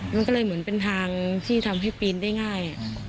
มันก็เลยเหมือนเป็นทางที่ทำให้ปีนได้ง่าย